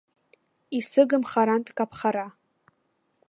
Исыгым харантә каԥхара.